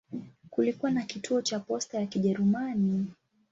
Kulikuwa na kituo cha posta ya Kijerumani.